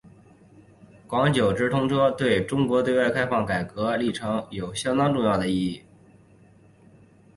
广九直通车对中国对外开放的改革历程有相当重要的意义。